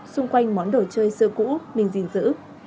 xung quanh món đồ chơi xưa cũ mình gìn giữ